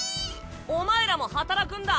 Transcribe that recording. お前らも働くんだ。